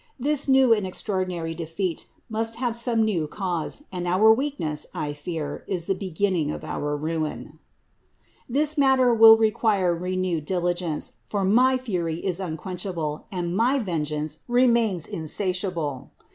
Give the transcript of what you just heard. This new and extraor dinary defeat must have some new cause, and our weak ness, I fear, is the beginning of our ruin." 324. "This matter will require renewed diligence, for my fury is unquenchable and my vengeance remains insa tiable.